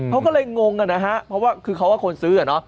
เขาก็เลยงงกันนะฮะเพราะว่าคือเขาว่าคนซื้ออ่ะเนาะ